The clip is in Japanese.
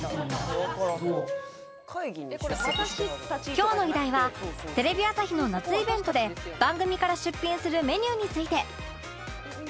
今日の議題はテレビ朝日の夏イベントで番組から出品するメニューについて